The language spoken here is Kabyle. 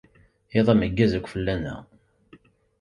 Iḍ ameggaz akk fell-aneɣ.